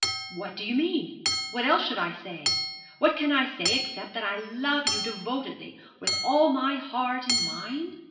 'What do you mean? What else should I say? What can I say, except that I love you devotedly, with all my heart and mind?